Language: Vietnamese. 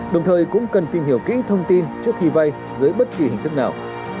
đồng thời cũng cần tìm hiểu kỹ thông tin trước khi vay dưới bất kỳ hình thức nào